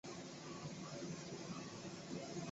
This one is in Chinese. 阿拉套棘豆为豆科棘豆属下的一个种。